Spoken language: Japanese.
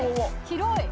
広い。